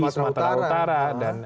sumatera utara dan